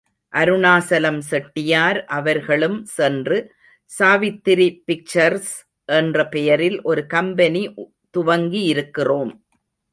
அருணாசலம் செட்டியார் அவர்களும் சென்று, சாவித்திரி பிக்சர்ஸ் என்ற பெயரில் ஒரு கம்பெனி துவங்கியிருக்கிறோம்.